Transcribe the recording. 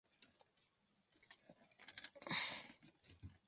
Había prometido construir, en caso de victoria, una iglesia en honor de san Lorenzo.